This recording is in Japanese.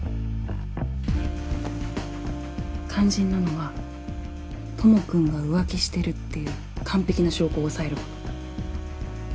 肝心なのは智くんが浮気してるっていう完璧な証拠を押さえること。